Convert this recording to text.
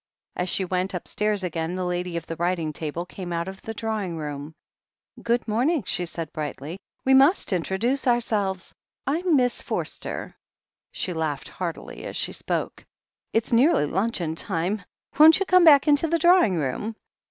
As she went upstairs again, the lady of the writing' table came out of the drawing room. "Good morning," said she brightly. "We must in troduce ourselves. I'm Miss Forster." She laughed heartily as she spoke. "It's nearly luncheon time. Won't you come back into the drawing room?"